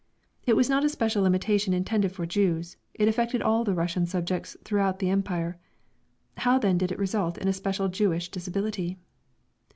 It was not a special limitation intended for the Jews, it affected all the Russian subjects throughout the Empire. How then did it result in a special Jewish disability?